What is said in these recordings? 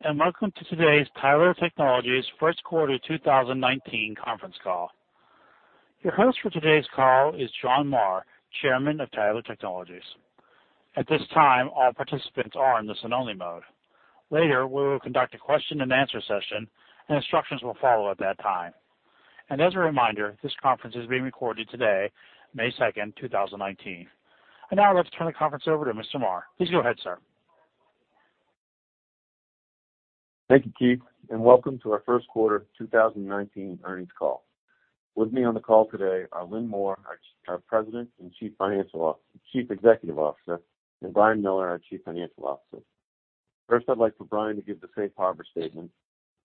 Hello, welcome to today's Tyler Technologies first quarter 2019 conference call. Your host for today's call is John Marr, Chairman of Tyler Technologies. At this time, all participants are in listen-only mode. Later, we will conduct a question-and-answer session. Instructions will follow at that time. As a reminder, this conference is being recorded today, May 2nd, 2019. Now I'd like to turn the conference over to Mr. Marr. Please go ahead, sir. Thank you, Keith. Welcome to our first quarter 2019 earnings call. With me on the call today are Lynn Moore, our President and Chief Executive Officer, and Brian Miller, our Chief Financial Officer. First, I'd like for Brian to give the safe harbor statement.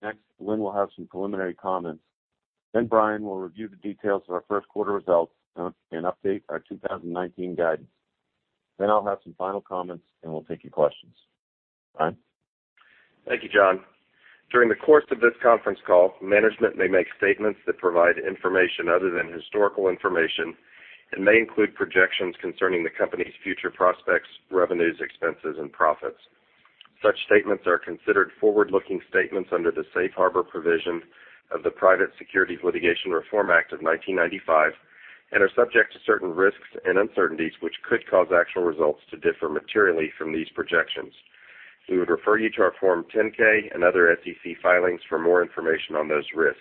Next, Lynn will have some preliminary comments. Brian will review the details of our first quarter results and update our 2019 guidance. I'll have some final comments. We'll take your questions. Brian? Thank you, John. During the course of this conference call, management may make statements that provide information other than historical information and may include projections concerning the company's future prospects, revenues, expenses, and profits. Such statements are considered forward-looking statements under the safe harbor provision of the Private Securities Litigation Reform Act of 1995 and are subject to certain risks and uncertainties which could cause actual results to differ materially from these projections. We would refer you to our Form 10-K and other SEC filings for more information on those risks.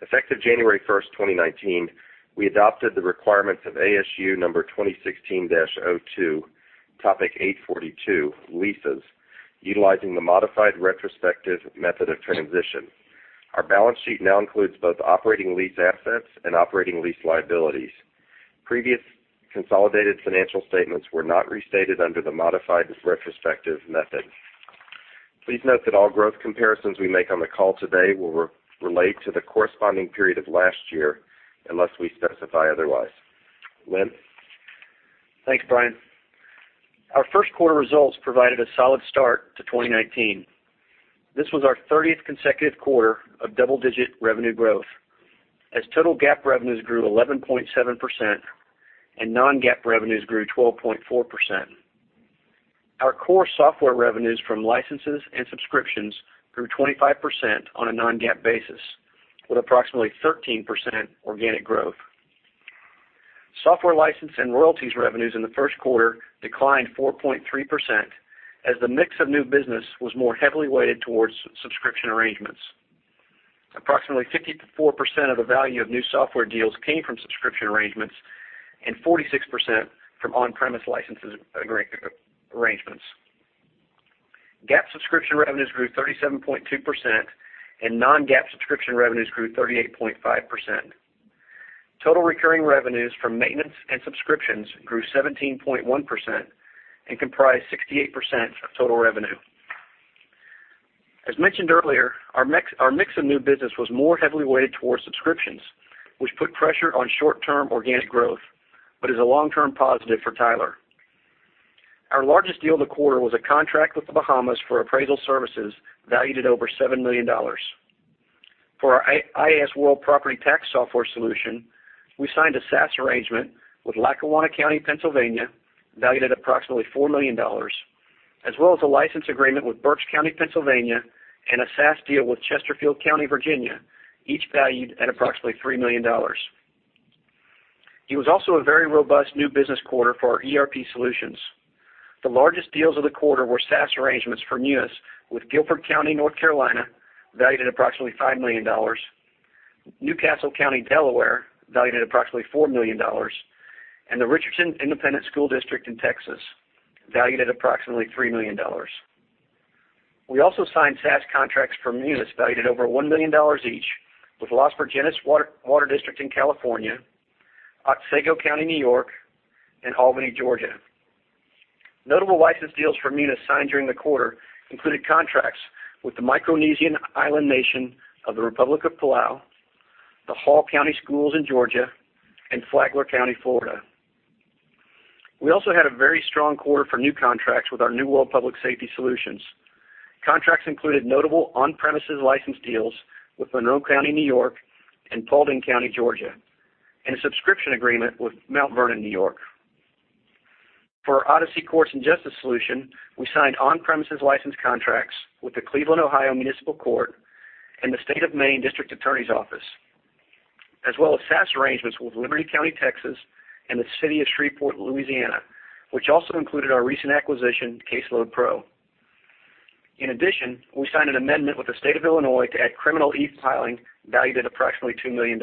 Effective January 1st, 2019, we adopted the requirements of ASU number 2016-02, Topic 842 Leases, utilizing the modified retrospective method of transition. Our balance sheet now includes both operating lease assets and operating lease liabilities. Previous consolidated financial statements were not restated under the modified retrospective method. Please note that all growth comparisons we make on the call today will relate to the corresponding period of last year unless we specify otherwise. Lynn? Thanks, Brian. Our first quarter results provided a solid start to 2019. This was our 30th consecutive quarter of double-digit revenue growth, as total GAAP revenues grew 11.7% and non-GAAP revenues grew 12.4%. Our core software revenues from licenses and subscriptions grew 25% on a non-GAAP basis, with approximately 13% organic growth. Software license and royalties revenues in the first quarter declined 4.3% as the mix of new business was more heavily weighted towards subscription arrangements. Approximately 54% of the value of new software deals came from subscription arrangements and 46% from on-premise licenses arrangements. GAAP subscription revenues grew 37.2%, and non-GAAP subscription revenues grew 38.5%. Total recurring revenues from maintenance and subscriptions grew 17.1% and comprised 68% of total revenue. As mentioned earlier, our mix of new business was more heavily weighted towards subscriptions, which put pressure on short-term organic growth, but is a long-term positive for Tyler. Our largest deal of the quarter was a contract with the Bahamas for appraisal services valued at over $7 million. For our iasWorld Property Tax software solution, we signed a SaaS arrangement with Lackawanna County, Pennsylvania, valued at approximately $4 million, as well as a license agreement with Berks County, Pennsylvania, and a SaaS deal with Chesterfield County, Virginia, each valued at approximately $3 million. It was also a very robust new business quarter for our ERP solutions. The largest deals of the quarter were SaaS arrangements for Munis with Guilford County, North Carolina, valued at approximately $5 million, New Castle County, Delaware, valued at approximately $4 million, and the Richardson Independent School District in Texas, valued at approximately $3 million. We also signed SaaS contracts for Munis valued at over $1 million each with Las Virgenes Water District in California, Otsego County, N.Y., and Albany, Georgia. Notable license deals for Munis signed during the quarter included contracts with the Micronesian island nation of the Republic of Palau, the Hall County Schools in Georgia, and Flagler County, Florida. We also had a very strong quarter for new contracts with our New World Public Safety Solutions. Contracts included notable on-premises license deals with Monroe County, N.Y. and Paulding County, Georgia, and a subscription agreement with Mount Vernon, N.Y. For our Odyssey Courts and Justice solution, we signed on-premises license contracts with the Cleveland, Ohio Municipal Court and the State of Maine District Attorney's Office, as well as SaaS arrangements with Liberty County, Texas and the City of Shreveport, Louisiana, which also included our recent acquisition, CaseloadPRO. In addition, we signed an amendment with the State of Illinois to add criminal e-filing valued at approximately $2 million.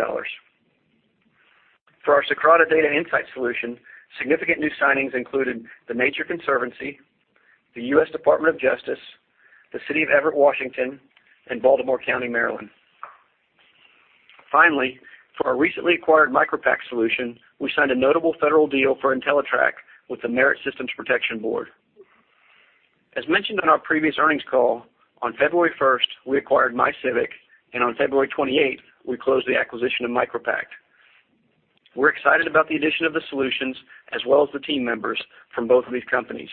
For our Socrata Data Insight solution, significant new signings included The Nature Conservancy, the U.S. Department of Justice, the City of Everett, Washington, and Baltimore County, Maryland. Finally, for our recently acquired MicroPact solution, we signed a notable federal deal for Entellitrak with the Merit Systems Protection Board. As mentioned on our previous earnings call, on February 1st, we acquired MyCivic, and on February 28th, we closed the acquisition of MicroPact. We're excited about the addition of the solutions as well as the team members from both of these companies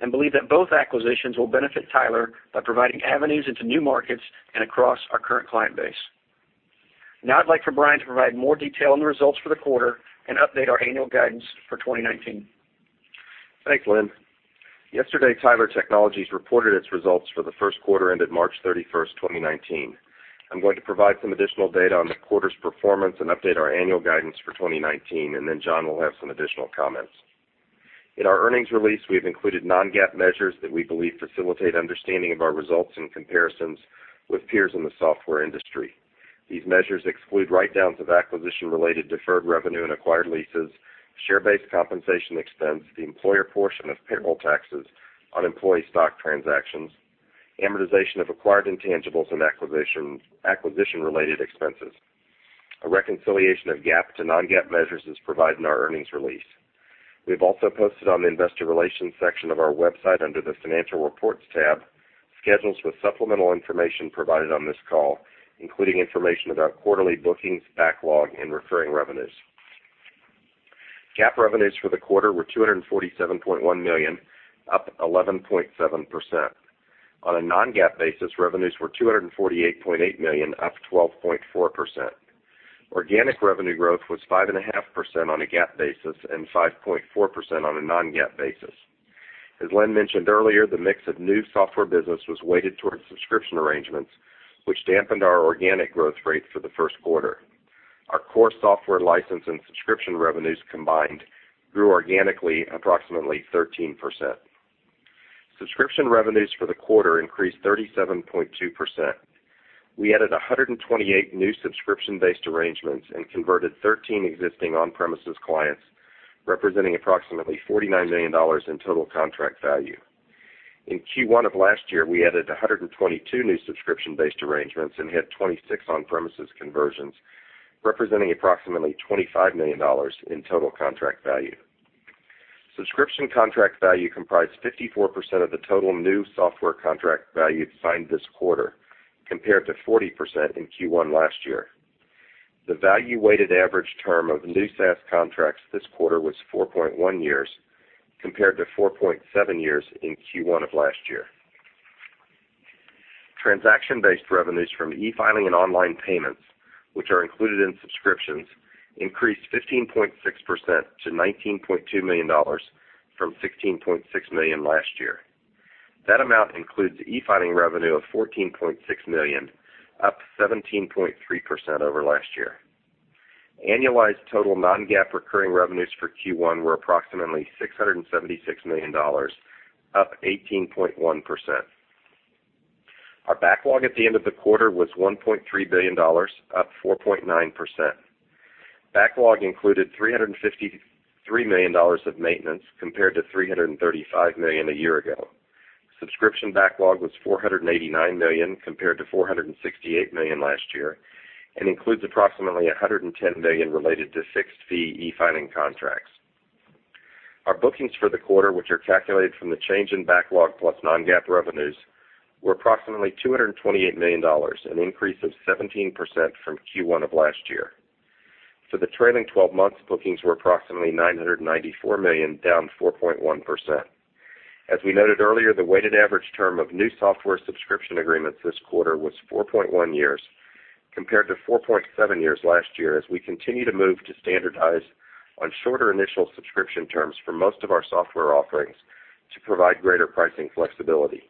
and believe that both acquisitions will benefit Tyler by providing avenues into new markets and across our current client base. Now I'd like for Brian to provide more detail on the results for the quarter and update our annual guidance for 2019. Thanks, Lynn. Yesterday, Tyler Technologies reported its results for the first quarter ended March 31st, 2019. I'm going to provide some additional data on the quarter's performance and update our annual guidance for 2019. Then John will have some additional comments. In our earnings release, we've included non-GAAP measures that we believe facilitate understanding of our results and comparisons with peers in the software industry. These measures exclude write-downs of acquisition-related deferred revenue and acquired leases, share-based compensation expense, the employer portion of payroll taxes on employee stock transactions, amortization of acquired intangibles and acquisition-related expenses. A reconciliation of GAAP to non-GAAP measures is provided in our earnings release. We've also posted on the investor relations section of our website, under the Financial Reports tab, schedules with supplemental information provided on this call, including information about quarterly bookings, backlog, and recurring revenues. GAAP revenues for the quarter were $247.1 million, up 11.7%. On a non-GAAP basis, revenues were $248.8 million, up 12.4%. Organic revenue growth was 5.5% on a GAAP basis and 5.4% on a non-GAAP basis. As Lynn mentioned earlier, the mix of new software business was weighted towards subscription arrangements, which dampened our organic growth rate for the first quarter. Our core software license and subscription revenues combined grew organically approximately 13%. Subscription revenues for the quarter increased 37.2%. We added 128 new subscription-based arrangements and converted 13 existing on-premises clients, representing approximately $49 million in total contract value. In Q1 of last year, we added 122 new subscription-based arrangements and had 26 on-premises conversions, representing approximately $25 million in total contract value. Subscription contract value comprised 54% of the total new software contract value signed this quarter, compared to 40% in Q1 last year. The value-weighted average term of new SaaS contracts this quarter was 4.1 years, compared to 4.7 years in Q1 of last year. Transaction-based revenues from e-filing and online payments, which are included in subscriptions, increased 15.6% to $19.2 million from $16.6 million last year. That amount includes e-filing revenue of $14.6 million, up 17.3% over last year. Annualized total non-GAAP recurring revenues for Q1 were approximately $676 million, up 18.1%. Our backlog at the end of the quarter was $1.3 billion, up 4.9%. Backlog included $353 million of maintenance, compared to $335 million a year ago. Subscription backlog was $489 million, compared to $468 million last year, and includes approximately $110 million related to fixed-fee e-filing contracts. Our bookings for the quarter, which are calculated from the change in backlog plus non-GAAP revenues, were approximately $228 million, an increase of 17% from Q1 of last year. For the trailing 12 months, bookings were approximately $994 million, down 4.1%. As we noted earlier, the weighted average term of new software subscription agreements this quarter was 4.1 years, compared to 4.7 years last year, as we continue to move to standardize on shorter initial subscription terms for most of our software offerings to provide greater pricing flexibility.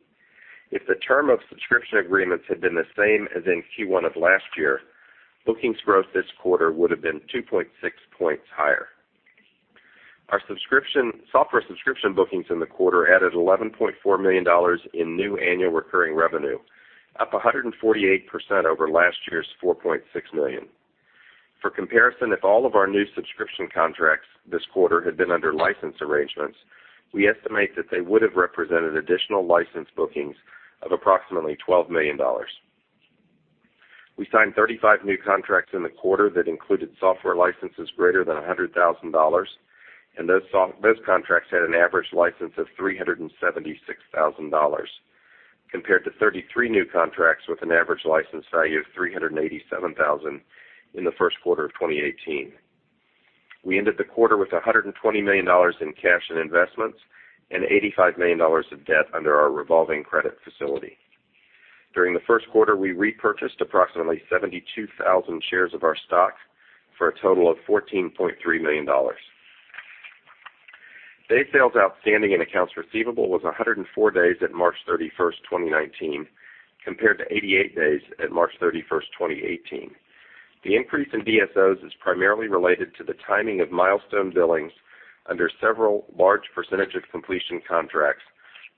If the term of subscription agreements had been the same as in Q1 of last year, bookings growth this quarter would have been 2.6 points higher. Our software subscription bookings in the quarter added $11.4 million in new annual recurring revenue, up 148% over last year's $4.6 million. For comparison, if all of our new subscription contracts this quarter had been under license arrangements, we estimate that they would have represented additional license bookings of approximately $12 million. We signed 35 new contracts in the quarter that included software licenses greater than $100,000, and those contracts had an average license of $376,000, compared to 33 new contracts with an average license value of $387,000 in the first quarter of 2018. We ended the quarter with $120 million in cash and investments and $85 million of debt under our revolving credit facility. During the first quarter, we repurchased approximately 72,000 shares of our stock for a total of $14.3 million. Day sales outstanding and accounts receivable was 104 days at March 31st, 2019, compared to 88 days at March 31st, 2018. The increase in DSOs is primarily related to the timing of milestone billings under several large percentage of completion contracts,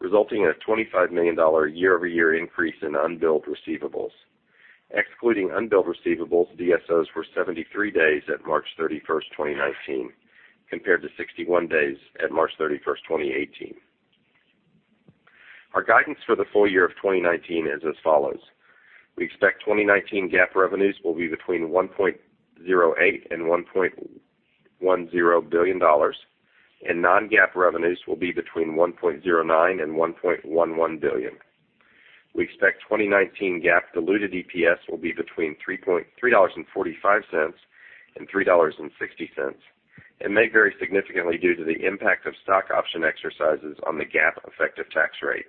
resulting in a $25 million year-over-year increase in unbilled receivables. Excluding unbilled receivables, DSOs were 73 days at March 31st, 2019, compared to 61 days at March 31st, 2018. Our guidance for the full year of 2019 is as follows. We expect 2019 GAAP revenues will be between $1.08 billion and $1.10 billion, and non-GAAP revenues will be between $1.09 billion and $1.11 billion. We expect 2019 GAAP diluted EPS will be between $3.45 and $3.60 and may vary significantly due to the impact of stock option exercises on the GAAP effective tax rate,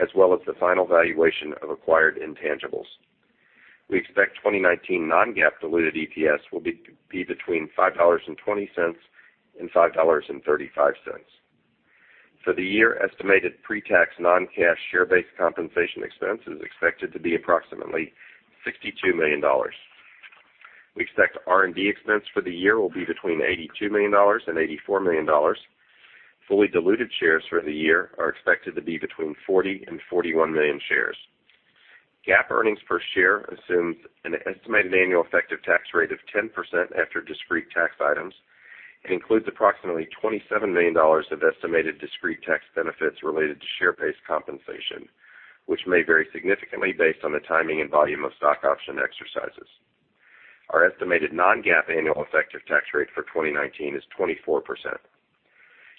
as well as the final valuation of acquired intangibles. We expect 2019 non-GAAP diluted EPS will be between $5.20 and $5.35. For the year, estimated pre-tax non-cash share-based compensation expense is expected to be approximately $62 million. We expect R&D expense for the year will be between $82 million and $84 million. Fully diluted shares for the year are expected to be between 40 million and 41 million shares. GAAP earnings per share assumes an estimated annual effective tax rate of 10% after discrete tax items and includes approximately $27 million of estimated discrete tax benefits related to share-based compensation, which may vary significantly based on the timing and volume of stock option exercises. Our estimated non-GAAP annual effective tax rate for 2019 is 24%.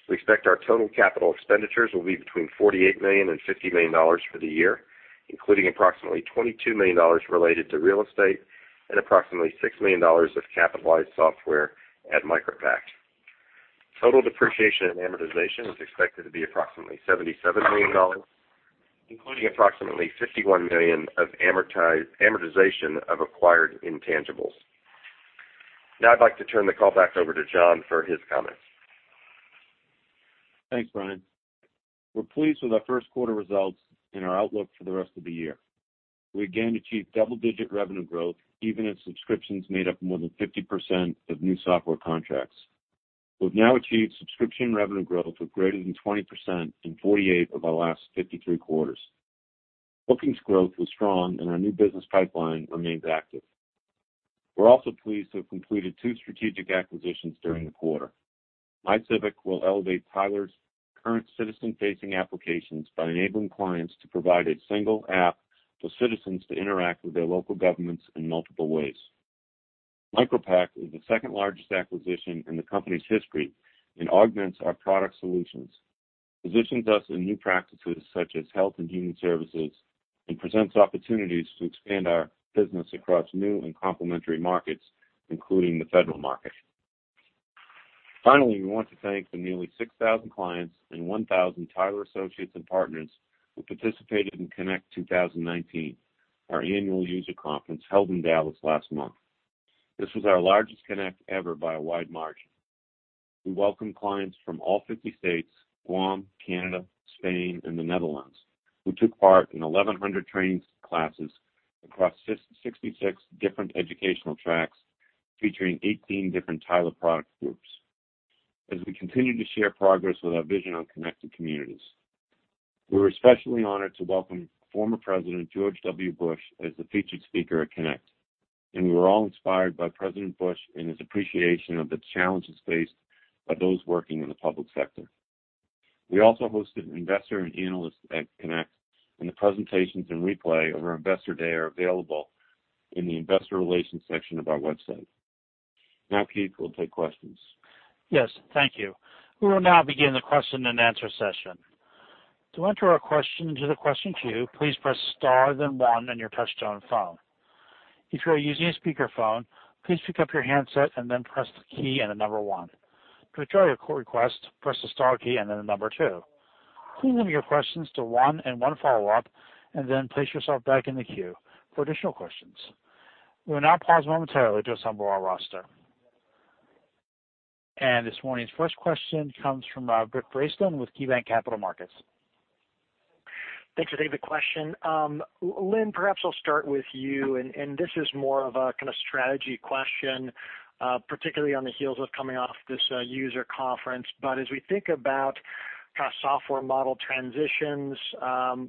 We expect our total capital expenditures will be between $48 million and $50 million for the year, including approximately $22 million related to real estate and approximately $6 million of capitalized software at MicroPact. Total depreciation and amortization is expected to be approximately $77 million, including approximately $51 million of amortization of acquired intangibles. I'd like to turn the call back over to John for his comments. Thanks, Brian. We're pleased with our first quarter results and our outlook for the rest of the year. We again achieved double-digit revenue growth, even as subscriptions made up more than 50% of new software contracts. We've now achieved subscription revenue growth of greater than 20% in 48 of our last 53 quarters. Bookings growth was strong, and our new business pipeline remains active. We're also pleased to have completed two strategic acquisitions during the quarter. MyCivic will elevate Tyler's current citizen-facing applications by enabling clients to provide a single app for citizens to interact with their local governments in multiple ways. MicroPact is the second-largest acquisition in the company's history and augments our product solutions, positions us in new practices such as health and human services, and presents opportunities to expand our business across new and complementary markets, including the federal market. Finally, we want to thank the nearly 6,000 clients and 1,000 Tyler associates and partners who participated in Connect 2019, our annual user conference held in Dallas last month. This was our largest Connect ever by a wide margin. We welcomed clients from all 50 states, Guam, Canada, Spain, and the Netherlands, who took part in 1,100 training classes across 66 different educational tracks, featuring 18 different Tyler product groups, as we continue to share progress with our vision on Connected Communities. We were especially honored to welcome former President George W. Bush as the featured speaker at Connect, and we were all inspired by President Bush and his appreciation of the challenges faced by those working in the public sector. We also hosted investor and analyst at Connect, and the presentations and replay of our Investor Day are available in the investor relations section of our website. Yes, thank you. Keith will take questions. Yes, thank you. We will now begin the question-and-answer session. To enter a question into the question queue, please press star then one on your touchtone phone. If you are using a speakerphone, please pick up your handset and then press the key and the number 1. To withdraw your request, press the star key and then the number 2. Please limit your questions to one and one follow-up, and then place yourself back in the queue for additional questions. We will now pause momentarily to assemble our roster. This morning's first question comes from Brent Bracelin with KeyBanc Capital Markets. Thanks for taking the question. Lynn, perhaps I'll start with you, and this is more of a strategy question, particularly on the heels of coming off this user conference. As we think about software model transitions,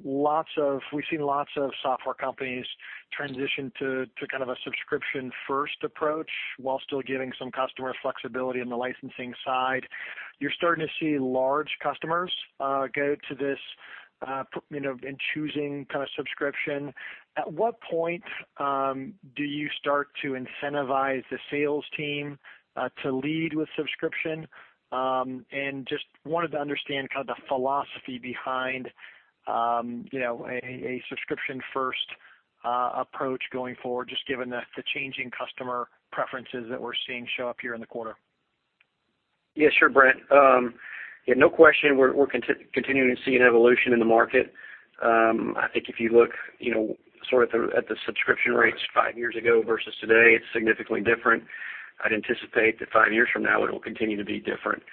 we've seen lots of software companies transition to a subscription-first approach while still giving some customer flexibility on the licensing side. You're starting to see large customers go to this, in choosing subscription. At what point do you start to incentivize the sales team to lead with subscription? Just wanted to understand the philosophy behind a subscription-first approach going forward, just given the changing customer preferences that we're seeing show up here in the quarter. Sure, Brent. No question, we're continuing to see an evolution in the market. I think if you look at the subscription rates five years ago versus today, it's significantly different. I'd anticipate that five years from now, it'll continue to be different.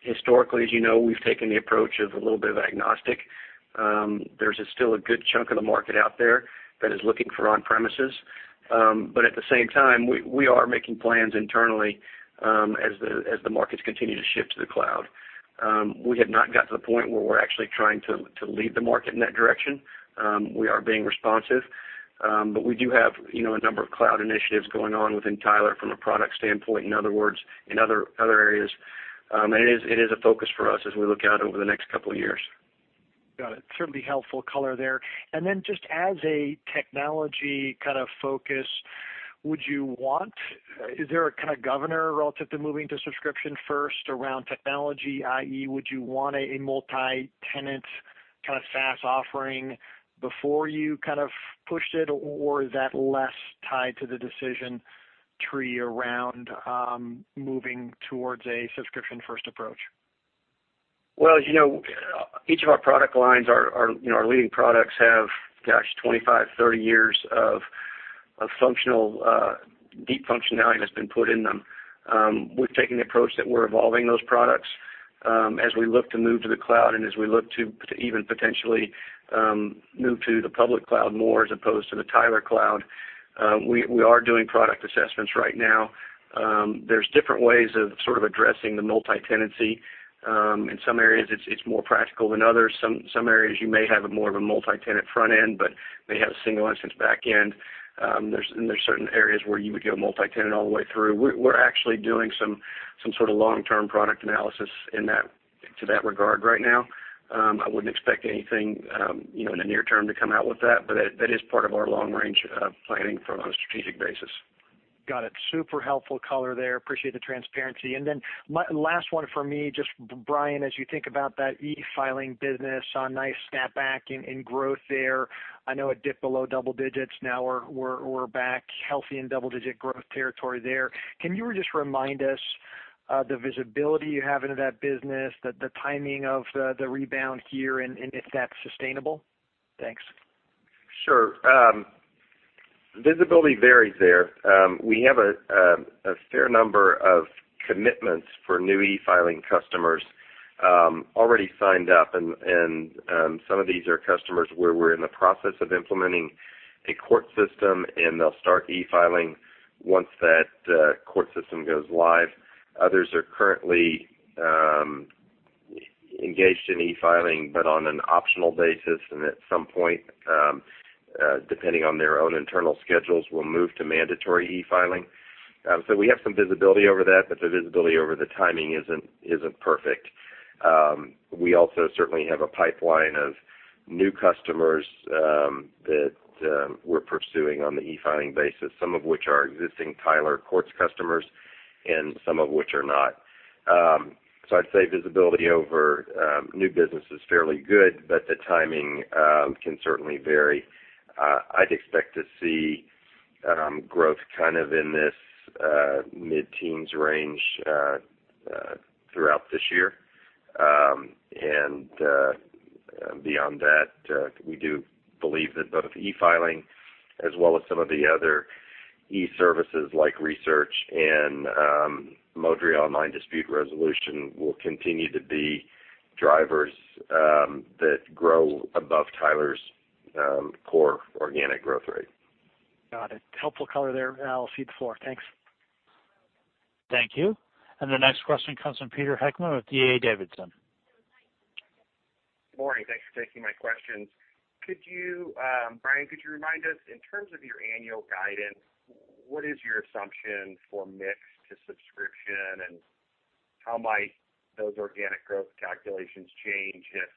Historically, as you know, we've taken the approach of a little bit of agnostic. There's still a good chunk of the market out there that is looking for on-premises. At the same time, we are making plans internally, as the markets continue to shift to the cloud. We have not got to the point where we're actually trying to lead the market in that direction. We are being responsive. We do have a number of cloud initiatives going on within Tyler from a product standpoint, in other words, in other areas. It is a focus for us as we look out over the next couple of years. Got it. Certainly helpful color there. Just as a technology focus, is there a governor relative to moving to subscription first around technology, i.e., would you want a multi-tenant SaaS offering before you pushed it, or is that less tied to the decision tree around moving towards a subscription-first approach. Well, each of our product lines, our leading products have, gosh, 25, 30 years of deep functionality that's been put in them. We've taken the approach that we're evolving those products as we look to move to the cloud and as we look to even potentially move to the public cloud more as opposed to the Tyler cloud. We are doing product assessments right now. There's different ways of sort of addressing the multi-tenancy. In some areas, it's more practical than others. Some areas you may have more of a multi-tenant front end, but may have a single instance back end. There's certain areas where you would go multi-tenant all the way through. We're actually doing some sort of long-term product analysis to that regard right now. I wouldn't expect anything in the near term to come out with that, but that is part of our long range planning from a strategic basis. Got it. Super helpful color there. Appreciate the transparency. Last one for me, just Brian, as you think about that e-filing business, a nice snapback in growth there. I know it dipped below double digits. Now we're back healthy in double-digit growth territory there. Can you just remind us the visibility you have into that business, the timing of the rebound here, and if that's sustainable? Thanks. Sure. Visibility varies there. We have a fair number of commitments for new e-filing customers already signed up. Some of these are customers where we're in the process of implementing a court system, and they'll start e-filing once that court system goes live. Others are currently engaged in e-filing, but on an optional basis. At some point, depending on their own internal schedules, will move to mandatory e-filing. We have some visibility over that, but the visibility over the timing isn't perfect. We also certainly have a pipeline of new customers that we're pursuing on the e-filing basis, some of which are existing Tyler courts customers, and some of which are not. I'd say visibility over new business is fairly good, but the timing can certainly vary. I'd expect to see growth kind of in this mid-teens range throughout this year. Beyond that, we do believe that both e-filing as well as some of the other e-services like research and Modria online dispute resolution will continue to be drivers that grow above Tyler's core organic growth rate. Got it. Helpful color there. I'll cede the floor. Thanks. Thank you. The next question comes from Peter Heckmann with D.A. Davidson. Good morning. Thanks for taking my questions. Brian, could you remind us, in terms of your annual guidance, what is your assumption for mix to subscription, and how might those organic growth calculations change if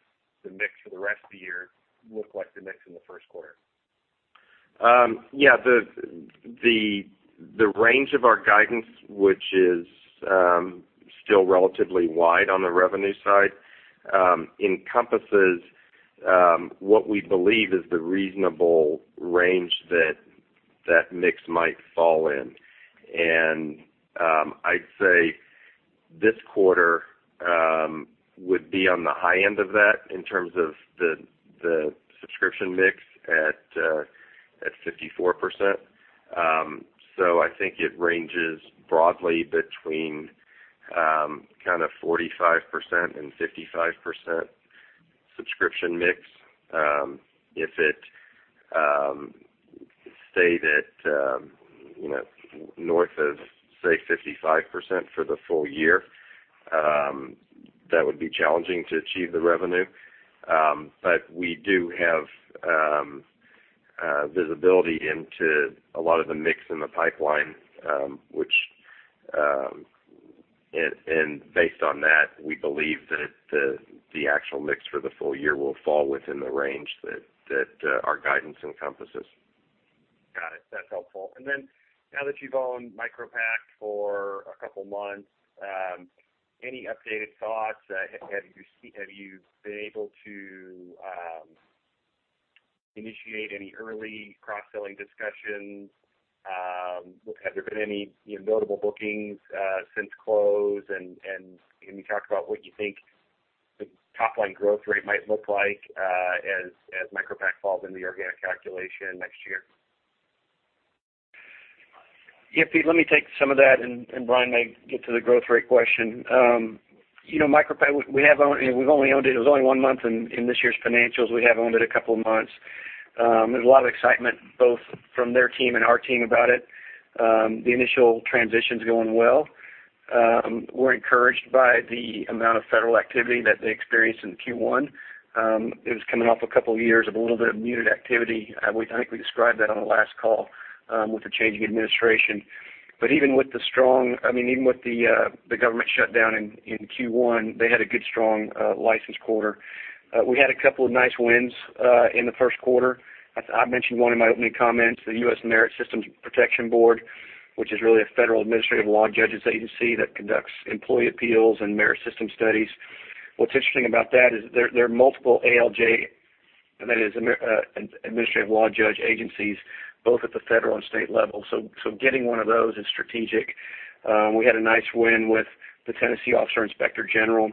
the mix for the rest of the year look like the mix in the first quarter? Yeah. The range of our guidance, which is still relatively wide on the revenue side, encompasses what we believe is the reasonable range that that mix might fall in. I'd say this quarter would be on the high end of that in terms of the subscription mix at 54%. I think it ranges broadly between kind of 45% and 55% subscription mix. If it stayed at north of, say, 55% for the full year, that would be challenging to achieve the revenue. We do have visibility into a lot of the mix in the pipeline, and based on that, we believe that the actual mix for the full year will fall within the range that our guidance encompasses. Got it. That's helpful. Now that you've owned MicroPact for a couple of months, any updated thoughts? Have you been able to initiate any early cross-selling discussions? Have there been any notable bookings since close? Can you talk about what you think the top-line growth rate might look like as MicroPact falls into the organic calculation next year? Yeah, Peter, let me take some of that. Brian may get to the growth rate question. MicroPact, it was only one month in this year's financials. We have owned it a couple of months. There's a lot of excitement both from their team and our team about it. The initial transition's going well. We're encouraged by the amount of federal activity that they experienced in Q1. It was coming off a couple of years of a little bit of muted activity. I think we described that on the last call with the changing administration. Even with the government shutdown in Q1, they had a good, strong license quarter. We had a couple of nice wins in the first quarter. I mentioned one in my opening comments, the U.S. Merit Systems Protection Board, which is really a federal administrative law judges agency that conducts employee appeals and merit system studies. What's interesting about that is there are multiple ALJ administrative law judge agencies, both at the federal and state level. Getting one of those is strategic. We had a nice win with the Tennessee Office of Inspector General,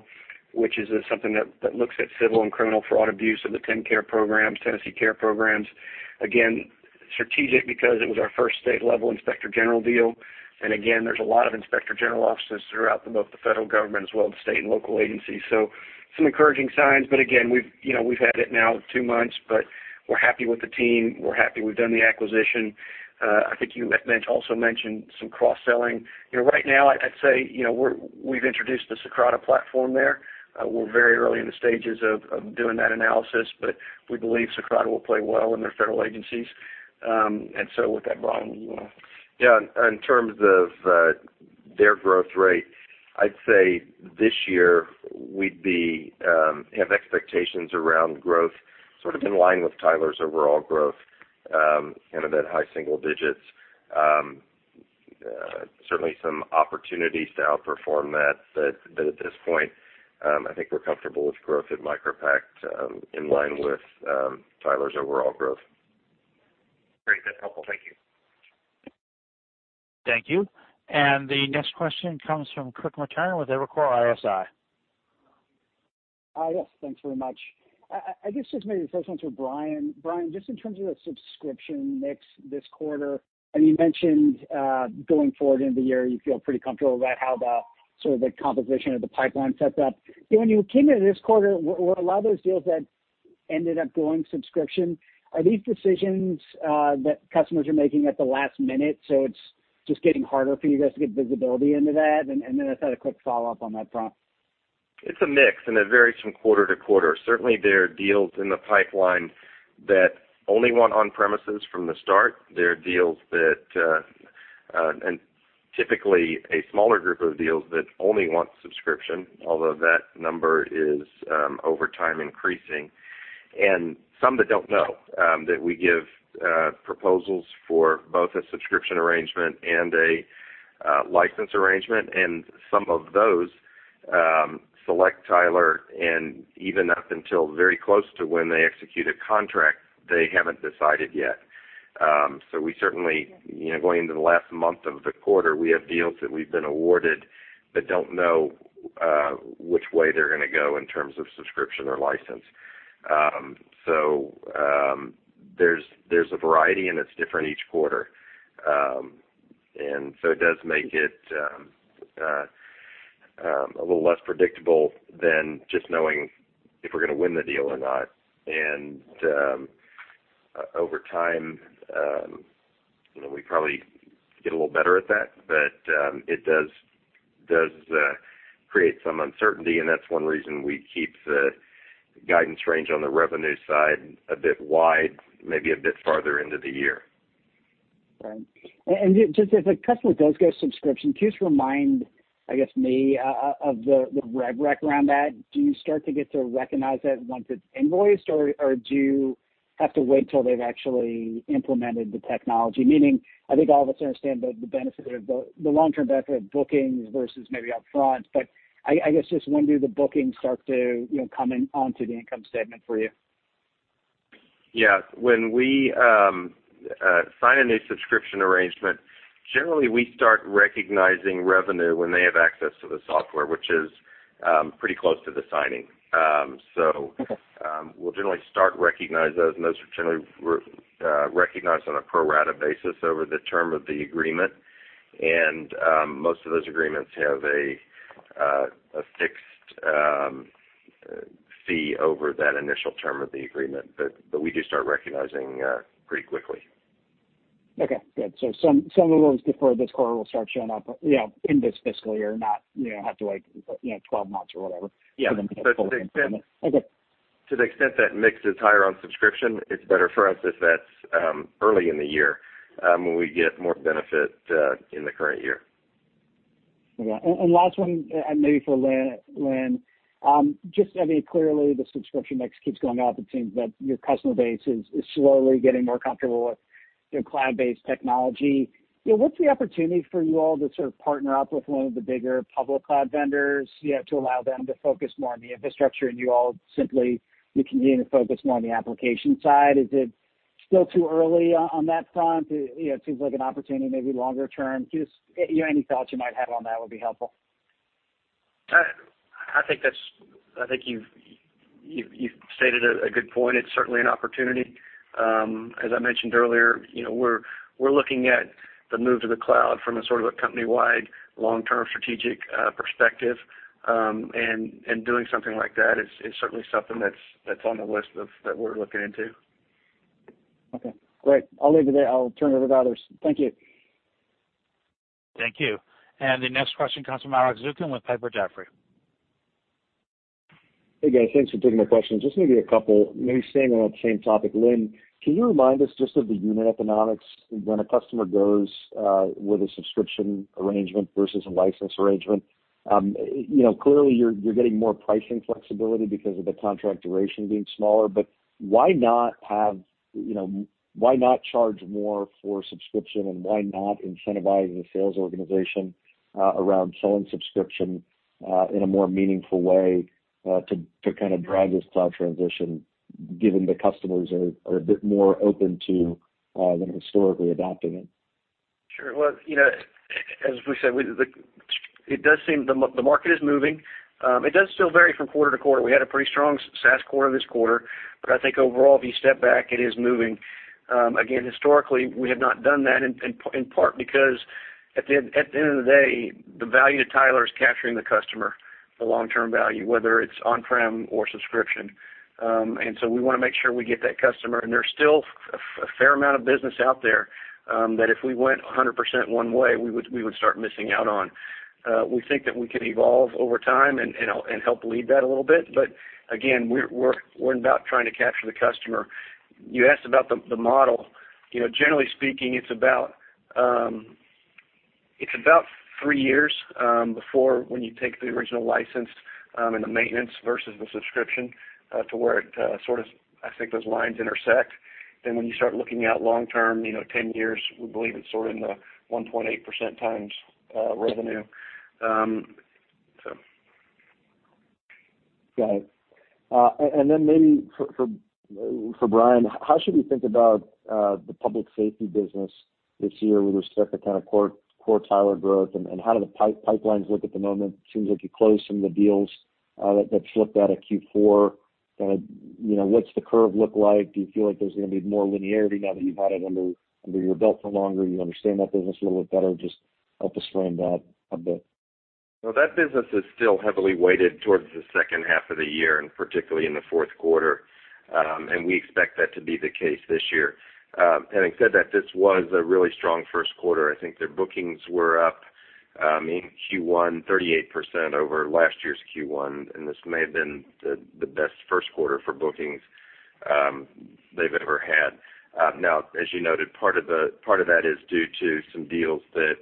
which is something that looks at civil and criminal fraud abuse of the TennCare programs. Strategic because it was our first state-level inspector general deal. There's a lot of inspector general offices throughout both the federal government as well as the state and local agencies. Some encouraging signs, but we've had it now two months, but we're happy with the team. We're happy we've done the acquisition. I think you had also mentioned some cross-selling. Right now, I'd say, we've introduced the Socrata platform there. We're very early in the stages of doing that analysis, but we believe Socrata will play well in their federal agencies. With that, Brian, you want to Yeah. In terms of their growth rate, I'd say this year we'd have expectations around growth sort of in line with Tyler's overall growth, kind of at high single digits. Certainly some opportunities to outperform that. At this point, I think we're comfortable with growth at MicroPact in line with Tyler's overall growth. Great. That's helpful. Thank you. Thank you. The next question comes from Kirk Materne with Evercore ISI. Yes, thanks very much. I guess just maybe the first one's for Brian. Brian, just in terms of the subscription mix this quarter, you mentioned, going forward into the year, you feel pretty comfortable about how the sort of the composition of the pipeline sets up. When you came into this quarter, were a lot of those deals that ended up going subscription, are these decisions that customers are making at the last minute, so it's just getting harder for you guys to get visibility into that? Then I just had a quick follow-up on that front. It's a mix, it varies from quarter to quarter. Certainly, there are deals in the pipeline that only want on-premises from the start. There are deals that typically a smaller group of deals that only want subscription, although that number is, over time, increasing. Some that don't know that we give proposals for both a subscription arrangement and a license arrangement, and some of those select Tyler, and even up until very close to when they execute a contract, they haven't decided yet. We certainly, going into the last month of the quarter, we have deals that we've been awarded but don't know which way they're going to go in terms of subscription or license. There's a variety, and it's different each quarter. It does make it a little less predictable than just knowing if we're going to win the deal or not. Over time, we probably get a little better at that. It does create some uncertainty, and that's one reason we keep the guidance range on the revenue side a bit wide, maybe a bit farther into the year. Right. Just if a customer does go subscription, can you just remind, I guess me, of the rev rec around that? Do you start to get to recognize that once it's invoiced, or do you have to wait till they've actually implemented the technology? Meaning, I think all of us understand the long-term benefit of bookings versus maybe up front, but I guess just when do the bookings start to come onto the income statement for you? Yeah. When we sign a new subscription arrangement, generally, we start recognizing revenue when they have access to the software, which is pretty close to the signing. We'll generally start to recognize those, and those are generally recognized on a pro rata basis over the term of the agreement. Most of those agreements have a fixed fee over that initial term of the agreement. We do start recognizing pretty quickly. Okay, good. Some of those before this quarter will start showing up in this fiscal year, not have to wait 12 months or whatever- Yeah for them to get fully implemented. Okay. To the extent that mix is higher on subscription, it's better for us if that's early in the year, when we get more benefit in the current year. Okay. Last one, maybe for Lynn. Just, I mean, clearly the subscription mix keeps going up. It seems that your customer base is slowly getting more comfortable with cloud-based technology. What's the opportunity for you all to sort of partner up with one of the bigger public cloud vendors, to allow them to focus more on the infrastructure and you all simply, you can focus more on the application side? Is it still too early on that front? It seems like an opportunity maybe longer term. Just any thoughts you might have on that would be helpful. I think you've stated a good point. It's certainly an opportunity. As I mentioned earlier, we're looking at the move to the cloud from a sort of a company-wide, long-term strategic perspective. Doing something like that is certainly something that's on the list that we're looking into. Okay, great. I'll leave it there. I'll turn it over to others. Thank you. Thank you. The next question comes from Alex Zukin with Piper Jaffray. Hey, guys, thanks for taking my questions. Just maybe a couple, maybe staying on that same topic. Lynn, can you remind us just of the unit economics when a customer goes with a subscription arrangement versus a license arrangement? Clearly, you're getting more pricing flexibility because of the contract duration being smaller, why not charge more for subscription, why not incentivize the sales organization around selling subscription in a more meaningful way to kind of drive this cloud transition, given the customers are a bit more open to than historically adopting it? Sure. Well, as we said, the market is moving. It does still vary from quarter to quarter. We had a pretty strong SaaS quarter this quarter, but I think overall, if you step back, it is moving. Again, historically, we have not done that in part because at the end of the day, the value to Tyler is capturing the customer, the long-term value, whether it's on-prem or subscription. So we want to make sure we get that customer. There's still a fair amount of business out there, that if we went 100% one way, we would start missing out on. We think that we can evolve over time and help lead that a little bit. Again, we're about trying to capture the customer. You asked about the model. Generally speaking, it's about three years before, when you take the original license and the maintenance versus the subscription, to where I think those lines intersect. When you start looking out long term, 10 years, we believe it's sort of in the 1.8% times revenue. Got it. Then maybe for Brian, how should we think about the public safety business this year with respect to kind of core Tyler growth, and how do the pipelines look at the moment? It seems like you closed some of the deals that slipped out of Q4. What's the curve look like? Do you feel like there's going to be more linearity now that you've had it under your belt for longer, you understand that business a little bit better? Just help us frame that a bit. Well, that business is still heavily weighted towards the second half of the year, and particularly in the fourth quarter. We expect that to be the case this year. Having said that, this was a really strong first quarter. I think their bookings were up in Q1, 38% over last year's Q1, and this may have been the best first quarter for bookings they've ever had. Now, as you noted, part of that is due to some deals that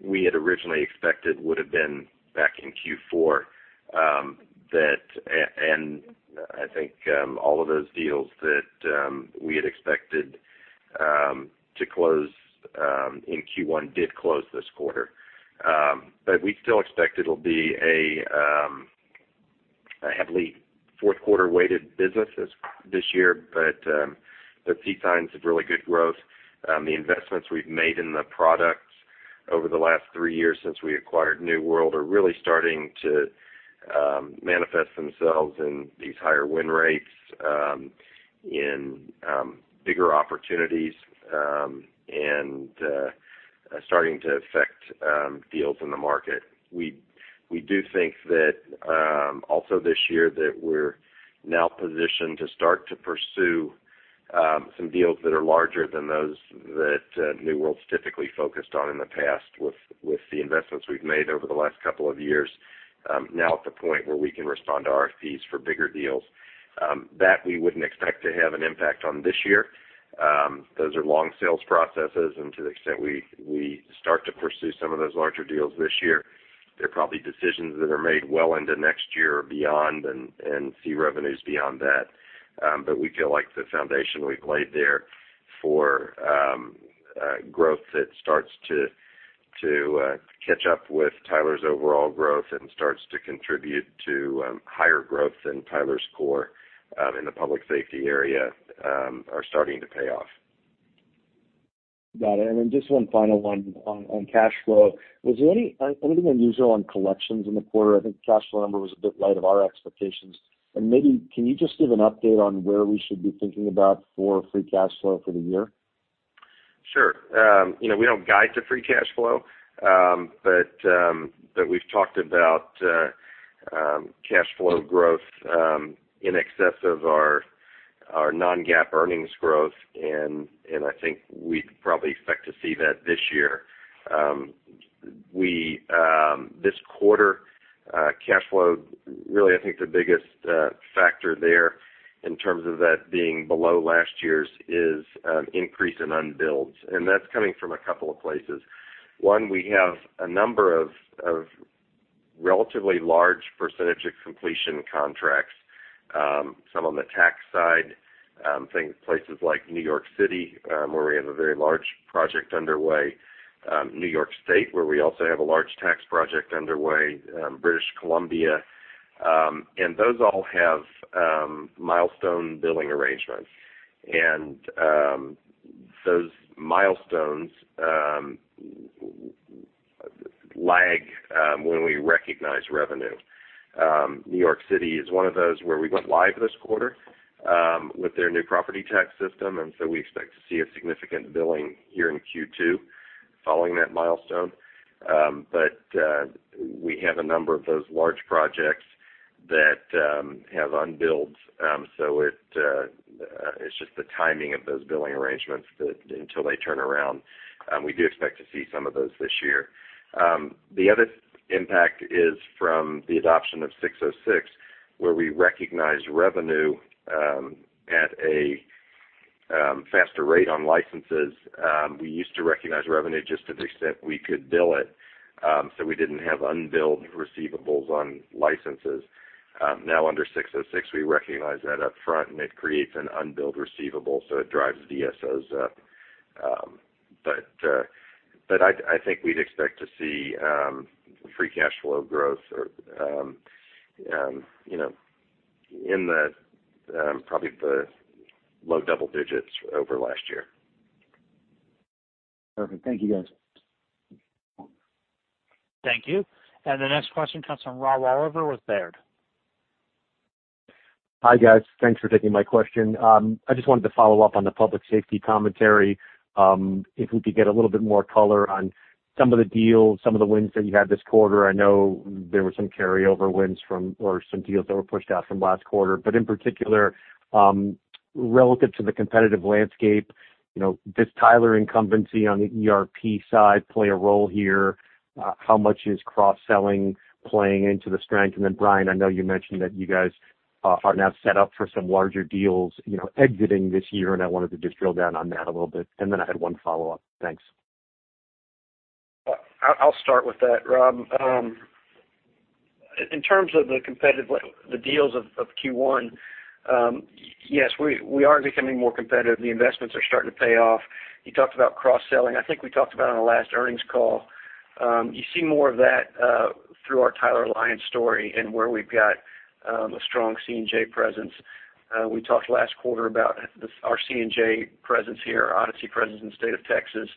we had originally expected would've been back in Q4. I think all of those deals that we had expected to close in Q1 did close this quarter. We still expect it'll be a heavily fourth quarter-weighted business this year, but we see signs of really good growth. The investments we've made in the products over the last 3 years since we acquired New World are really starting to manifest themselves in these higher win rates, in bigger opportunities, and starting to affect deals in the market. We do think that also this year that we're now positioned to start to pursue some deals that are larger than those that New World's typically focused on in the past with the investments we've made over the last couple of years. Now at the point where we can respond to RFPs for bigger deals. We wouldn't expect to have an impact on this year. Those are long sales processes, and to the extent we start to pursue some of those larger deals this year, they're probably decisions that are made well into next year or beyond and see revenues beyond that. We feel like the foundation we've laid there for growth that starts to catch up with Tyler's overall growth and starts to contribute to higher growth than Tyler's core in the public safety area are starting to pay off. Got it. Then just one final one on cash flow. Was there anything unusual on collections in the quarter? I think the cash flow number was a bit light of our expectations. Maybe can you just give an update on where we should be thinking about for free cash flow for the year? Sure. We don't guide to free cash flow. We've talked about cash flow growth in excess of our non-GAAP earnings growth, and I think we'd probably expect to see that this year. This quarter, cash flow, really, I think the biggest factor there in terms of that being below last year's is an increase in unbills. That's coming from a couple of places. One, we have a number of relatively large percentage of completion contracts. Some on the tax side, places like New York City, where we have a very large project underway, New York State, where we also have a large tax project underway, British Columbia. Those all have milestone billing arrangements. Those milestones lag when we recognize revenue. New York City is one of those where we went live this quarter with their new property tax system, we expect to see a significant billing here in Q2 following that milestone. We have a number of those large projects that have unbills. It's just the timing of those billing arrangements that until they turn around, we do expect to see some of those this year. The other impact is from the adoption of 606, where we recognize revenue at a faster rate on licenses. We used to recognize revenue just to the extent we could bill it, so we didn't have unbilled receivables on licenses. Now under 606, we recognize that up front, and it creates an unbilled receivable, so it drives DSO up. I think we'd expect to see free cash flow growth in probably the low double digits over last year. Perfect. Thank you, guys. Thank you. The next question comes from Rob Oliver with Baird. Hi, guys. Thanks for taking my question. I just wanted to follow up on the public safety commentary. If we could get a little bit more color on some of the deals, some of the wins that you had this quarter. I know there were some carryover wins from, or some deals that were pushed out from last quarter, but in particular, relative to the competitive landscape, does Tyler incumbency on the ERP side play a role here? How much is cross-selling playing into the strength? Brian, I know you mentioned that you guys are now set up for some larger deals exiting this year, and I wanted to just drill down on that a little bit. I had one follow-up. Thanks. I'll start with that, Rob. In terms of the competitive, the deals of Q1, yes, we are becoming more competitive. The investments are starting to pay off. You talked about cross-selling. I think we talked about on our last earnings call, you see more of that through our Tyler Alliance story and where we've got a strong C&J presence. We talked last quarter about our C&J presence here, our Odyssey presence in the state of Texas,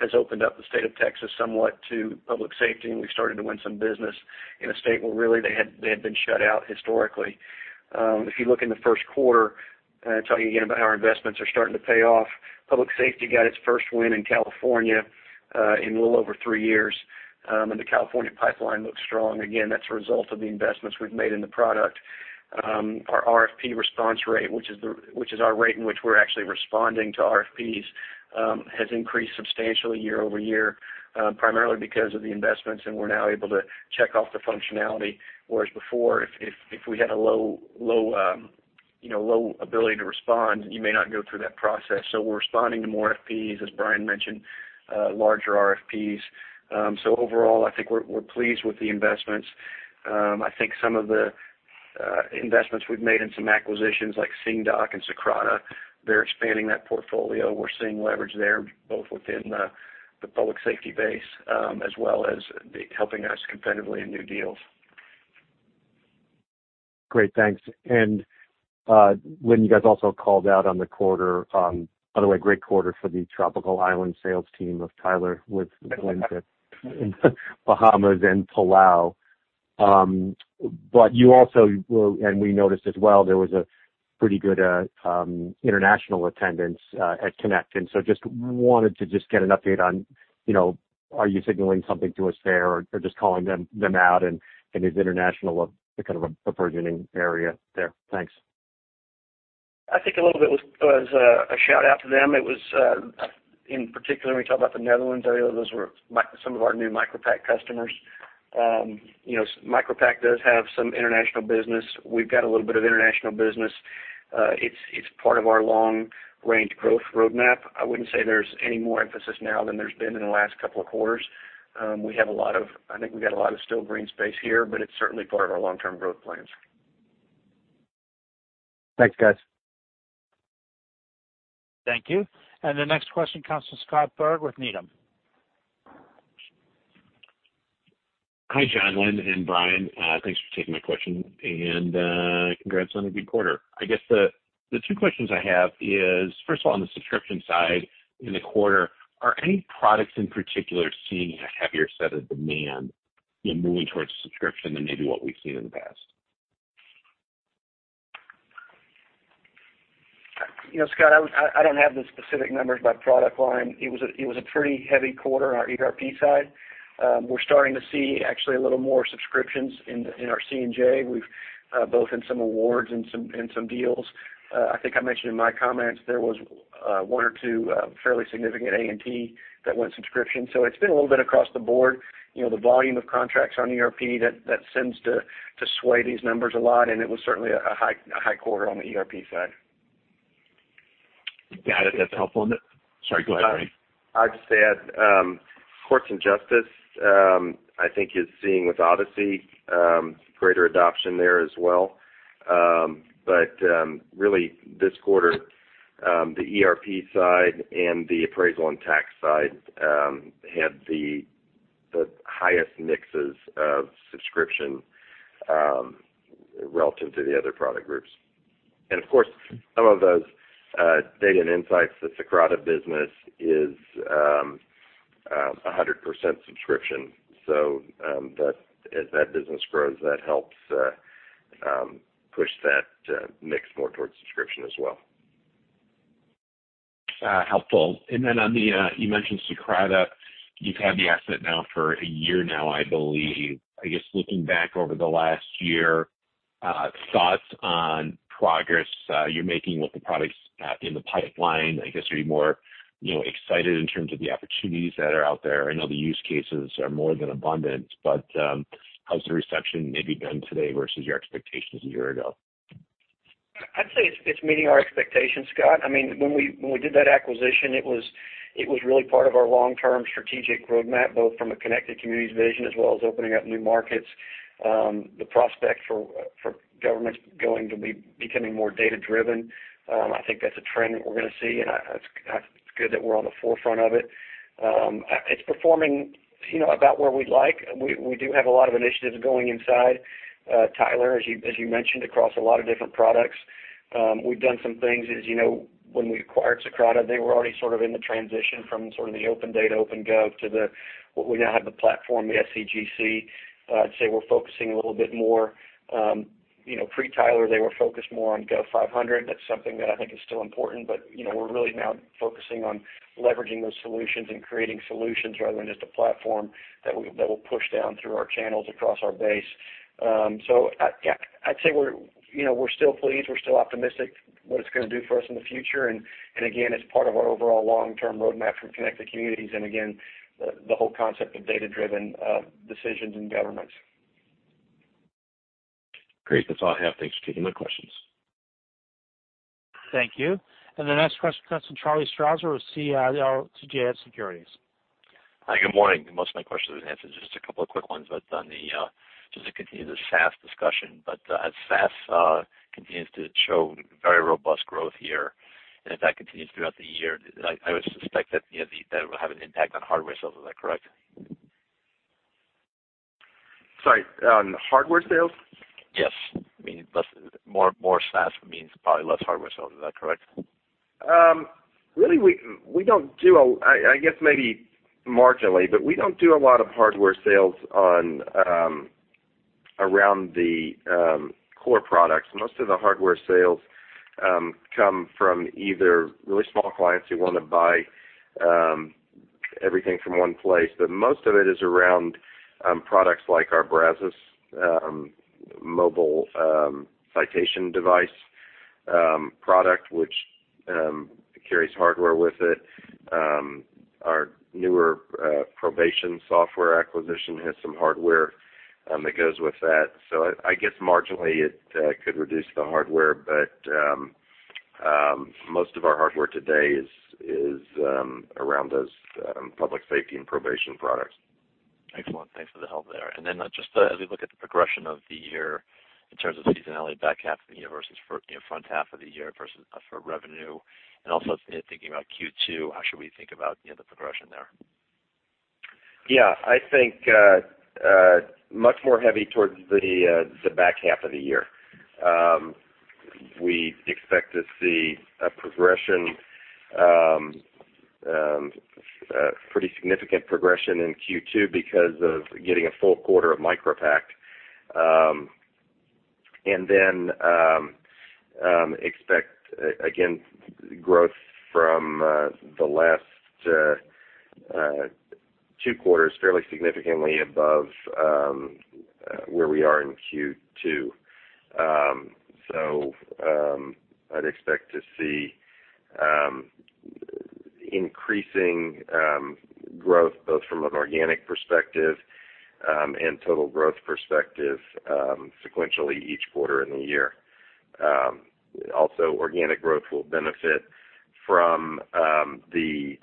has opened up the state of Texas somewhat to public safety, and we've started to win some business in a state where really they had been shut out historically. If you look in the first quarter, talking again about how our investments are starting to pay off, public safety got its first win in California in a little over three years, and the California pipeline looks strong. That's a result of the investments we've made in the product. Our RFP response rate, which is our rate in which we're actually responding to RFPs, has increased substantially year-over-year, primarily because of the investments, and we're now able to check off the functionality. Whereas before, if we had a low ability to respond, you may not go through that process. We're responding to more RFPs, as Brian mentioned, larger RFPs. Overall, I think we're pleased with the investments. I think some of the investments we've made in some acquisitions like CaseloadPRO and Socrata, they're expanding that portfolio. We're seeing leverage there, both within the public safety base, as well as helping us competitively in new deals. Great, thanks. When you guys also called out on the quarter-- by the way, great quarter for the tropical island sales team of Tyler with wins at Bahamas and Palau. You also, and we noticed as well, there was a pretty good international attendance at Connect, just wanted to just get an update on, are you signaling something to us there or just calling them out and is international a burgeoning area there? Thanks. I think a little bit was a shout-out to them. It was, in particular, when we talk about the Netherlands, those were some of our new MicroPact customers. MicroPact does have some international business. We've got a little bit of international business. It's part of our long-range growth roadmap. I wouldn't say there's any more emphasis now than there's been in the last couple of quarters. I think we've got a lot of still green space here, but it's certainly part of our long-term growth plans. Thanks, guys. Thank you. The next question comes from Scott Byrd with Needham. Hi, John, Lynn, and Brian. Thanks for taking my question and congrats on a good quarter. I guess the two questions I have is, first of all, on the subscription side in the quarter, are any products in particular seeing a heavier set of demand in moving towards subscription than maybe what we've seen in the past? Scott, I don't have the specific numbers by product line. It was a pretty heavy quarter on our ERP side. We're starting to see actually a little more subscriptions in our C&J, both in some awards and some deals. I think I mentioned in my comments, there was one or two fairly significant A&T that went subscription. It's been a little bit across the board, the volume of contracts on ERP that tends to sway these numbers a lot, and it was certainly a high quarter on the ERP side. Got it. That's helpful. Sorry, go ahead, Brian. I'd just add, Courts and Justice, I think is seeing with Odyssey, greater adoption there as well. Really this quarter, the ERP side and the Appraisal and Tax side had the highest mixes of subscription relative to the other product groups. Of course, some of those data and insights, the Socrata business is 100% subscription. As that business grows, that helps push that mix more towards subscription as well. Helpful. Then on the, you mentioned Socrata, you've had the asset now for a year now, I believe. I guess looking back over the last year, thoughts on progress you're making with the products in the pipeline? I guess, are you more excited in terms of the opportunities that are out there? I know the use cases are more than abundant, how's the reception maybe been today versus your expectations a year ago? I'd say it's meeting our expectations, Scott. When we did that acquisition, it was really part of our long-term strategic roadmap, both from a Connected Communities vision as well as opening up new markets. The prospect for governments going to be becoming more data-driven, I think that's a trend that we're going to see, and it's good that we're on the forefront of it. It's performing about where we'd like. We do have a lot of initiatives going inside Tyler, as you mentioned, across a lot of different products. We've done some things, as you know, when we acquired Socrata, they were already sort of in the transition from the open data, OpenGov, to what we now have the platform, the SCGC. I'd say we're focusing a little bit more pre-Tyler, they were focused more on Gov500. That's something that I think is still important, we're really now focusing on leveraging those solutions and creating solutions rather than just a platform that will push down through our channels across our base. I'd say we're still pleased, we're still optimistic what it's going to do for us in the future, and again, it's part of our overall long-term roadmap for Connected Communities, and again, the whole concept of data-driven decisions in governments. Great. That's all I have. Thanks for taking my questions. Thank you. The next question comes from Charlie Strauser with CJS Securities. Hi. Good morning. Most of my questions were answered. Just a couple of quick ones. Just to continue the SaaS discussion, but as SaaS continues to show very robust growth here, and if that continues throughout the year, I would suspect that will have an impact on hardware sales. Is that correct? Sorry, on hardware sales? Yes. More SaaS means probably less hardware sales. Is that correct? Really, I guess maybe marginally, but we don't do a lot of hardware sales around the core products. Most of the hardware sales come from either really small clients who want to buy everything from one place. Most of it is around products like our Brazos mobile citation device product, which carries hardware with it. Our newer probation software acquisition has some hardware that goes with that. I guess marginally, it could reduce the hardware, but most of our hardware today is around those public safety and probation products. Excellent. Thanks for the help there. Just as we look at the progression of the year in terms of seasonality, back half of the year versus front half of the year versus for revenue, and also thinking about Q2, how should we think about the progression there? Yeah, I think much more heavy towards the back half of the year. We expect to see a progression, pretty significant progression in Q2 because of getting a full quarter of MicroPact. Expect, again, growth from the last two quarters fairly significantly above where we are in Q2. I'd expect to see increasing growth both from an organic perspective and total growth perspective sequentially each quarter in the year. Also, organic growth will benefit from the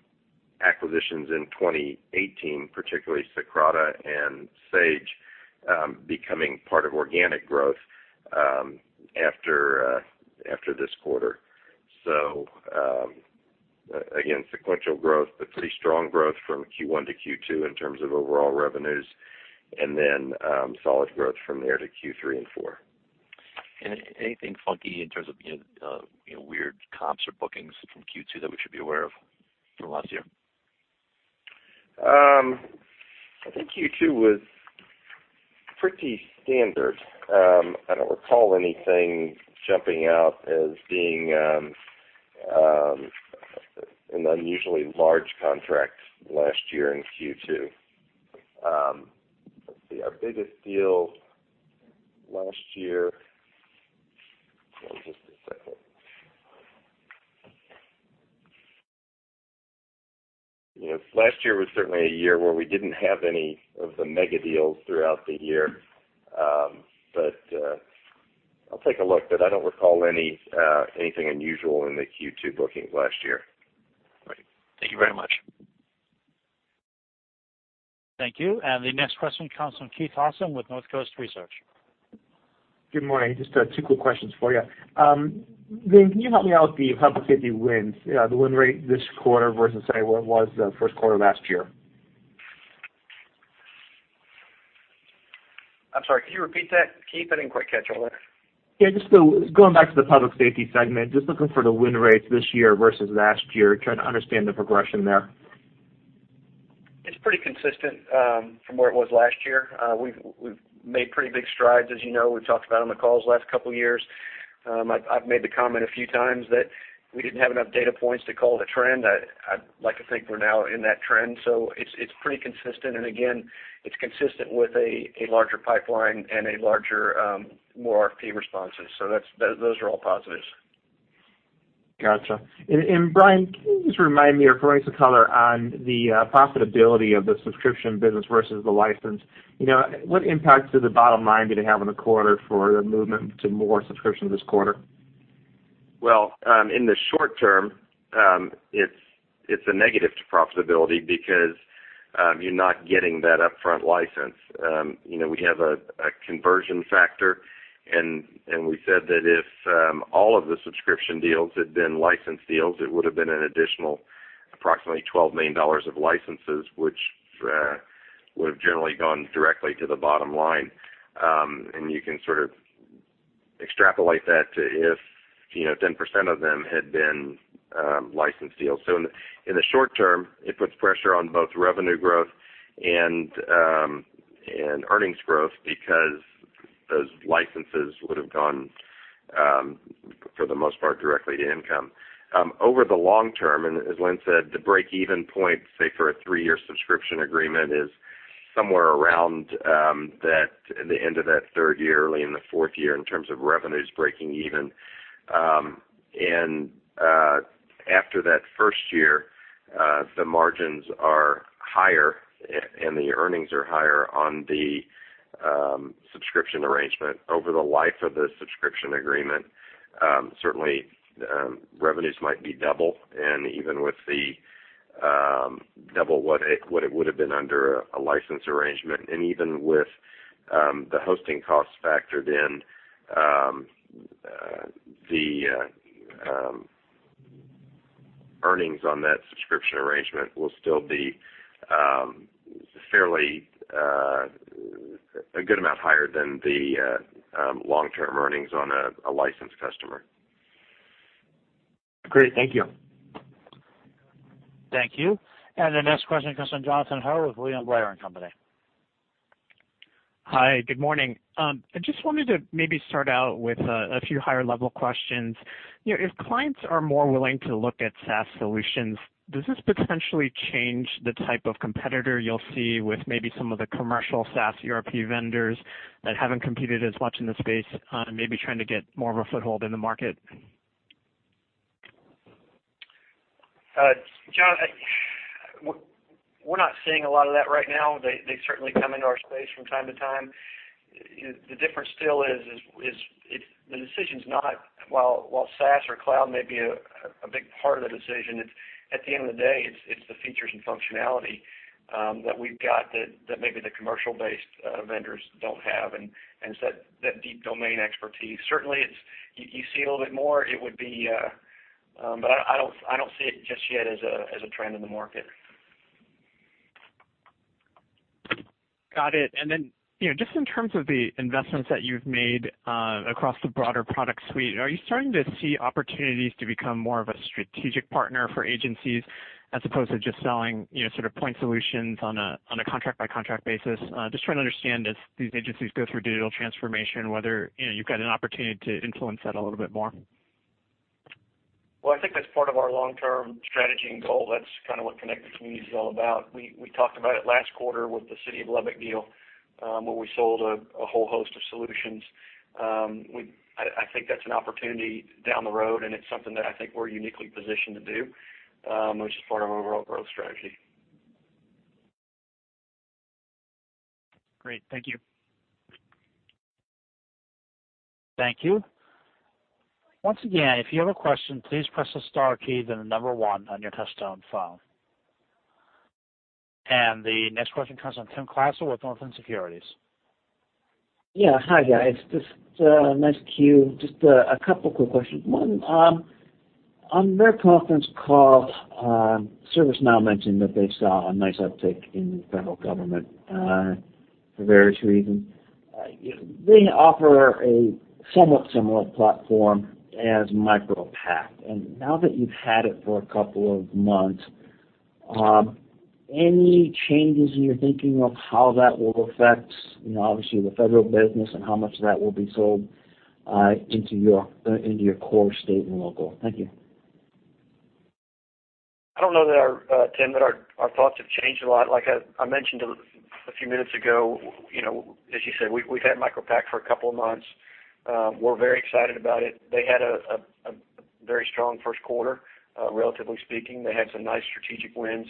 acquisitions in 2018, particularly Socrata and Sage becoming part of organic growth after this quarter. Again, sequential growth, but pretty strong growth from Q1 to Q2 in terms of overall revenues, and then solid growth from there to Q3 and Q4. Anything funky in terms of weird comps or bookings from Q2 that we should be aware of from last year? I think Q2 was pretty standard. I don't recall anything jumping out as being an unusually large contract last year in Q2. Let's see. Our biggest deal last year Just a second. Last year was certainly a year where we didn't have any of the mega deals throughout the year. I'll take a look, but I don't recall anything unusual in the Q2 bookings last year. Great. Thank you very much. Thank you. The next question comes from Keith Housum with Northcoast Research. Good morning. Just two quick questions for you. Dane, can you help me out with the public safety wins, the win rate this quarter versus, say, what it was the first quarter of last year? I'm sorry, could you repeat that, Keith? I didn't quite catch all that. Yeah, just going back to the public safety segment, just looking for the win rates this year versus last year, trying to understand the progression there. It's pretty consistent from where it was last year. We've made pretty big strides, as you know, we've talked about on the calls the last couple of years. I've made the comment a few times that we didn't have enough data points to call the trend. I'd like to think we're now in that trend. It's pretty consistent, and again, it's consistent with a larger pipeline and a larger, more RFP responses. Those are all positives. Got you. Brian, can you just remind me or provide some color on the profitability of the subscription business versus the license? What impact to the bottom line did it have on the quarter for the movement to more subscriptions this quarter? Well, in the short term, it's a negative to profitability because you're not getting that upfront license. We have a conversion factor, and we said that if all of the subscription deals had been license deals, it would've been an additional approximately $12 million of licenses, which would have generally gone directly to the bottom line. You can extrapolate that to if 10% of them had been license deals. In the short term, it puts pressure on both revenue growth and earnings growth because those licenses would have gone, for the most part, directly to income. Over the long term, as Lynn said, the break-even point, say, for a three-year subscription agreement is somewhere around the end of that third year, early in the fourth year, in terms of revenues breaking even. After that first year, the margins are higher, and the earnings are higher on the subscription arrangement. Over the life of the subscription agreement, certainly, revenues might be double what it would have been under a license arrangement. Even with the hosting costs factored in, the earnings on that subscription arrangement will still be a good amount higher than the long-term earnings on a licensed customer. Great. Thank you. Thank you. The next question comes from Jonathan Ho with William Blair & Company. Hi. Good morning. I just wanted to maybe start out with a few higher-level questions. If clients are more willing to look at SaaS solutions, does this potentially change the type of competitor you'll see with maybe some of the commercial SaaS ERP vendors that haven't competed as much in the space, maybe trying to get more of a foothold in the market? John, we're not seeing a lot of that right now. They certainly come into our space from time to time. The difference still is while SaaS or cloud may be a big part of the decision, at the end of the day, it's the features and functionality that we've got that maybe the commercial-based vendors don't have, and it's that deep domain expertise. Certainly, you see a little bit more, but I don't see it just yet as a trend in the market. Got it. Just in terms of the investments that you've made across the broader product suite, are you starting to see opportunities to become more of a strategic partner for agencies as opposed to just selling point solutions on a contract-by-contract basis? Just trying to understand as these agencies go through digital transformation, whether you've got an opportunity to influence that a little bit more. I think that's part of our long-term strategy and goal. That's what Connected Communities is all about. We talked about it last quarter with the City of Lubbock deal, where we sold a whole host of solutions. I think that's an opportunity down the road, it's something that I think we're uniquely positioned to do, which is part of our overall growth strategy. Great. Thank you. Thank you. Once again, if you have a question, please press the star key, then the number one on your touch-tone phone. The next question comes on Tim Klasell with Northland Securities. Yeah. Hi, guys. Just a nice queue. Just a couple quick questions. One, on their conference call, ServiceNow mentioned that they saw a nice uptick in federal government for various reasons. They offer a somewhat similar platform as MicroPact, and now that you've had it for a couple of months, any changes in your thinking of how that will affect, obviously, the federal business and how much of that will be sold into your core state and local? Thank you. I don't know, Tim, that our thoughts have changed a lot. Like I mentioned a few minutes ago, as you said, we've had MicroPact for a couple of months. We're very excited about it. They had a very strong first quarter, relatively speaking. They had some nice strategic wins.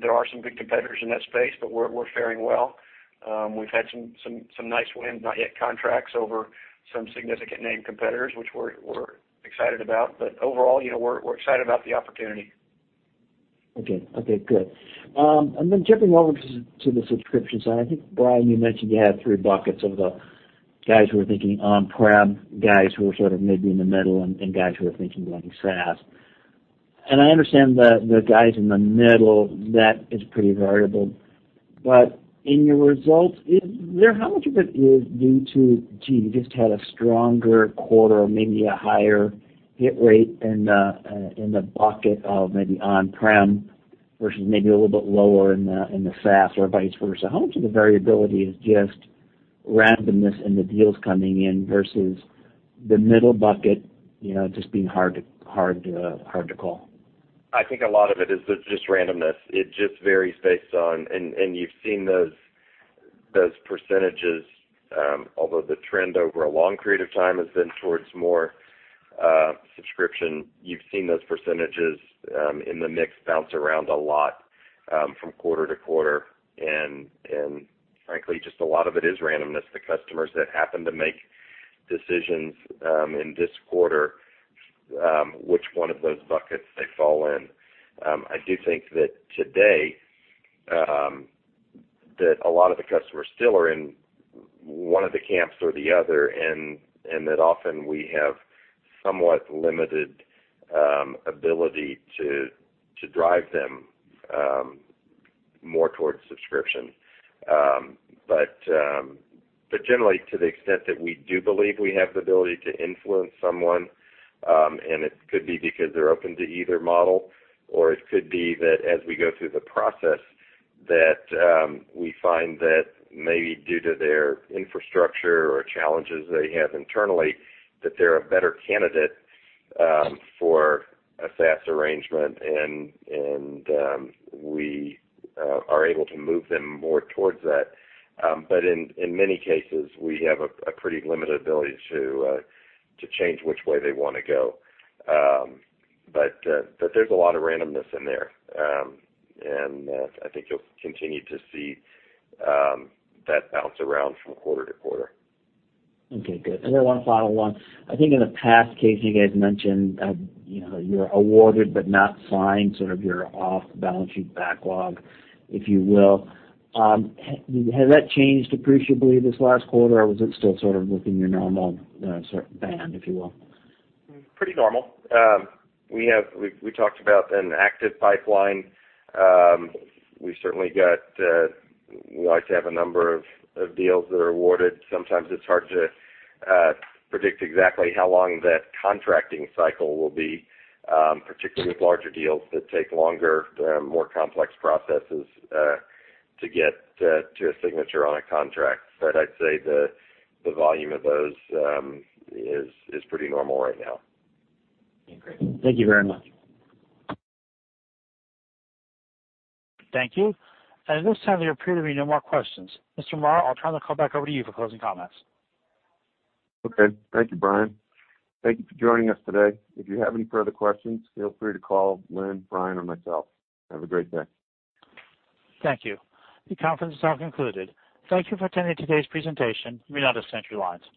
There are some big competitors in that space. We're faring well. We've had some nice wins, not yet contracts, over some significant name competitors, which we're excited about. Overall, we're excited about the opportunity. Okay, good. Jumping over to the subscription side, I think, Brian, you mentioned you had three buckets of the guys who are thinking on-prem, guys who are sort of maybe in the middle, and guys who are thinking like SaaS. I understand the guys in the middle, that is pretty variable. In your results, how much of it is due to, gee, you just had a stronger quarter or maybe a higher hit rate in the bucket of maybe on-prem versus maybe a little bit lower in the SaaS or vice versa? How much of the variability is just randomness in the deals coming in versus the middle bucket just being hard to call? I think a lot of it is just randomness. It just varies based on. You've seen those percentages, although the trend over a long period of time has been towards more subscription, you've seen those percentages in the mix bounce around a lot from quarter to quarter. Frankly, just a lot of it is randomness. The customers that happen to make decisions in this quarter, which one of those buckets they fall in. I do think that today, that a lot of the customers still are in one of the camps or the other, and that often we have somewhat limited ability to drive them more towards subscription. Generally, to the extent that we do believe we have the ability to influence someone, it could be because they're open to either model, or it could be that as we go through the process, that we find that maybe due to their infrastructure or challenges they have internally, that they're a better candidate for a SaaS arrangement, we are able to move them more towards that. In many cases, we have a pretty limited ability to change which way they want to go. There's a lot of randomness in there. I think you'll continue to see that bounce around from quarter to quarter. Okay, good. One final one. I think in the past case, you guys mentioned you're awarded but not signed, sort of your off-balance sheet backlog, if you will. Has that changed appreciably this last quarter, or was it still sort of within your normal band, if you will? Pretty normal. We talked about an active pipeline. We certainly like to have a number of deals that are awarded. Sometimes it's hard to predict exactly how long that contracting cycle will be, particularly with larger deals that take longer, more complex processes to get to a signature on a contract. I'd say the volume of those is pretty normal right now. Okay. Thank you very much. Thank you. At this time, there appear to be no more questions. Mr. Marr, I'll turn the call back over to you for closing comments. Okay. Thank you, Brian. Thank you for joining us today. If you have any further questions, feel free to call Lynn, Brian, or myself. Have a great day. Thank you. The conference is now concluded. Thank you for attending today's presentation. You may now disconnect your lines.